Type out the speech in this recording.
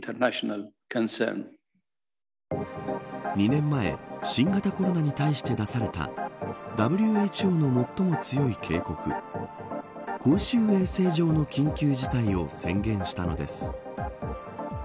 ２年前新型コロナに対して出されたＷＨＯの最も強い警告公衆衛生上の緊急事態を宣言したのです。